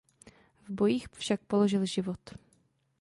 V bojích však položil život.